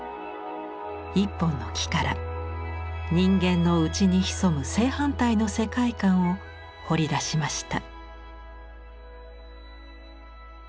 一本の木から人間の内に潜む正反対の世界観を彫り出しました。